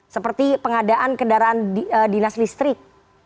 seperti pengadaan kendaraan dinas listrik